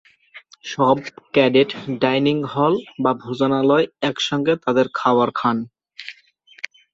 সব cadet dining hall বা ভোজনশালায় একসঙ্গে তাদের খাবার খান।